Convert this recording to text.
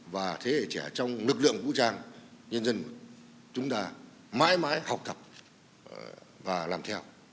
và thế hệ trẻ trong lực lượng vũ trang nhân dân chúng ta mãi mãi học tập và làm theo